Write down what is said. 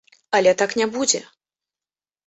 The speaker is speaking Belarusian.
Але так не будзе.